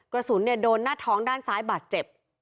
กระสุนโดนหน้าท้องด้านซ้ายบาดเจ็บ